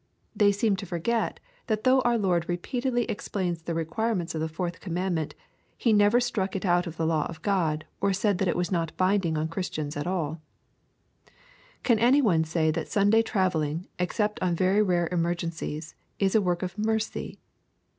They seem to forget that though our Lord repeatedly explains the requirements of the fourth commandment. He never struck it out of the law of God or said that it was not binding on Christians at alL Can any one say that Sunday travelling, excepl on very rare emergencies, is a work of mercy